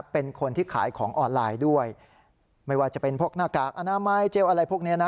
เป็นคนที่ขายของออนไลน์ด้วยไม่ว่าจะเป็นพวกหน้ากากอนามัยเจลอะไรพวกนี้นะ